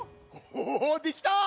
おできた！